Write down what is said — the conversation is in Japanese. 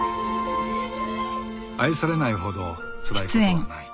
愛されないほどつらい事はない